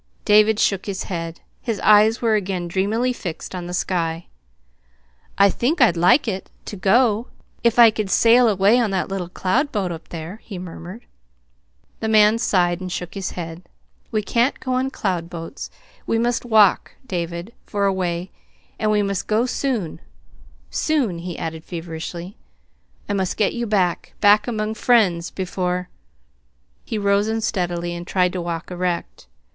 David shook his head. His eyes were again dreamily fixed on the sky. "I think I'd like it to go if I could sail away on that little cloud boat up there," he murmured. The man sighed and shook his head. "We can't go on cloud boats. We must walk, David, for a way and we must go soon soon," he added feverishly. "I must get you back back among friends, before " He rose unsteadily, and tried to walk erect.